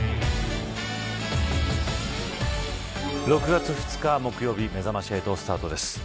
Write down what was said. ６月２日木曜日めざまし８スタートです。